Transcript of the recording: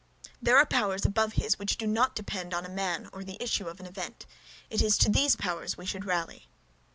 There are powers above his which do not depend upon a man or the issue of an event; it is to these powers we should rally."